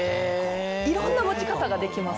いろんな持ち方ができます